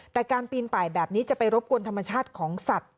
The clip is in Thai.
แต่การปีนป่ายแบบนี้จะไปรบกวนธรรมชาติของสัตว์